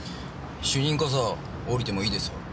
主任こそ降りてもいいですよ。